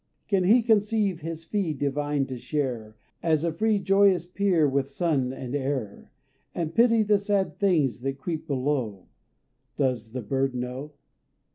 Can he conceive his fee divine to share, As a free joyous peer with sun and air, And pity the sad things that creep below Does the bird know?